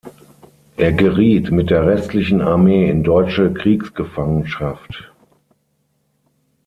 Er geriet mit der restlichen Armee in deutsche Kriegsgefangenschaft.